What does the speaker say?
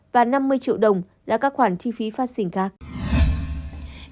và năm mươi triệu đồng là các khoản chi phí phát sinh khác